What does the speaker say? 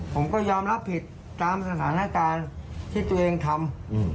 ผมก็ยอมรับผิดตามสถานการณ์ที่ตัวเองทำ